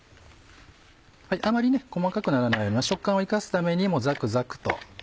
あまり細かくならないような食感を生かすためにもザクザクと。